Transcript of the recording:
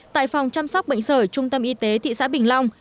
tại phòng chăm sóc bệnh sởi trung tâm y tế thị xã bình long